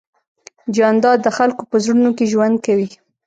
جانداد د خلکو په زړونو کې ژوند کوي.